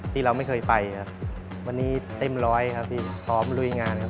ที่เราไม่เคยไปครับวันนี้เต็มร้อยครับพี่พร้อมลุยงานครับ